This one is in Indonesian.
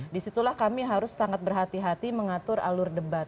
disitulah kami harus sangat berhati hati mengatur alur debat